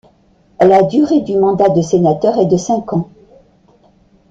La durée du mandat de sénateur est de cinq ans.